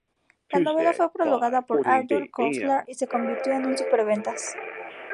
La novela fue prologada por Arthur Koestler y se convirtió en un superventas.